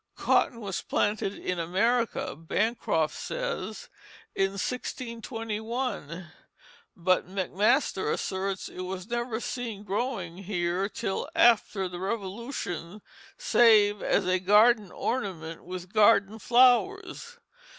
Cotton was planted in America, Bancroft says, in 1621, but MacMaster asserts it was never seen growing here till after the Revolution save as a garden ornament with garden flowers.